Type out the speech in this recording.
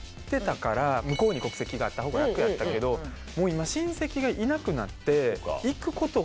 向こうに国籍があったほうが楽やったけどもう今親戚がいなくなって。